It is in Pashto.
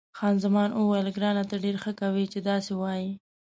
خان زمان وویل، ګرانه ته ډېره ښه کوې چې داسې وایې.